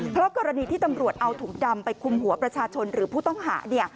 เพราะกรณีที่ตำรวจเอาถุงดำไปคุมหัวประชาชนหรือผู้ต้องหา